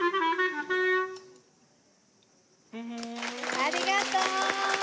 ありがとう！